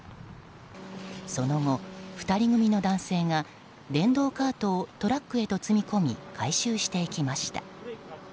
その後、２人組の男性が電動カートをトラックへと積み込み回収していきました。